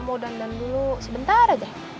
mau dandan dulu sebentar aja